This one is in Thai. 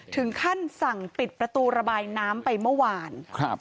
ถึงขั้นสั่งปิดประตูระบายน้ำไปเมื่อวานครับ